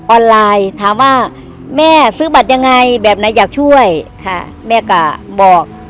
ไลน์ถามว่าแม่ซื้อบัตรยังไงแบบไหนอยากช่วยค่ะแม่ก็บอก